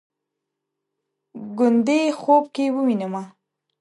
ګوندې خوب کې ووینمه